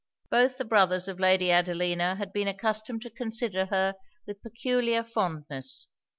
Both the brothers of Lady Adelina had been accustomed to consider her with peculiar fondness.